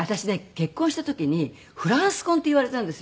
結婚した時にフランス婚って言われたんですよ。